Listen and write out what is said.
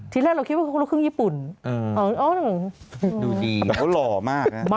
ที่แรกเราคิดว่าเขาคืนญี่ปุ่นดูดีแต่เขาหล่อมาก